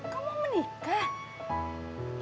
kau mau menikah